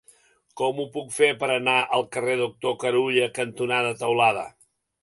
Com ho puc fer per anar al carrer Doctor Carulla cantonada Teulada?